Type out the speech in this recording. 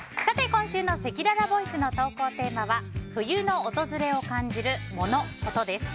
今週のせきららボイスの投稿テーマは冬の訪れを感じるモノ・コトです。